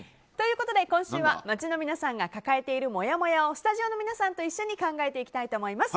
今週は街の皆さんが抱えているもやもやをスタジオの皆さんと一緒に考えていきたいと思います。